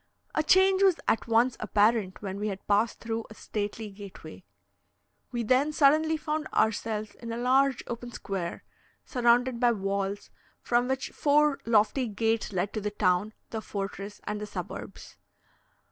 A change was at once apparent when we had passed through a stately gateway. We then suddenly found ourselves in a large open square, surrounded by walls, from which four lofty gates led to the town, the fortress, and the suburbs.